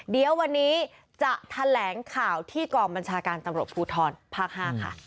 เดี๋ยววันนี้จะแถลงข่าวที่กองบัญชาการตำรวจภูทรภาค๕ค่ะ